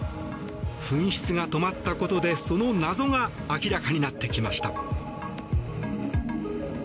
噴出が止まったことでその謎が明らかになってきました。